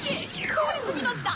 通り過ぎました。